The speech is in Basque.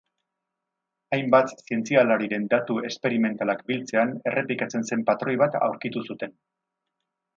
Hainbat zientzialariren datu esperimentalak biltzean, errepikatzen zen patroi bat aurkitu zuen.